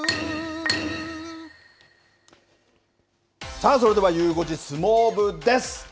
さあそれではゆう５時相撲部です。